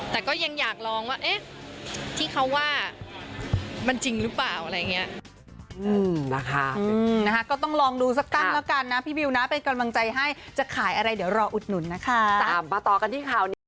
แต่ก็ยังอยากลองว่าที่เขาว่ามันจริงหรือเปล่า